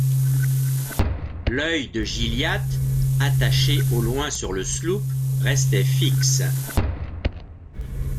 L’œil de Gilliatt, attaché au loin sur le sloop, restait fixe.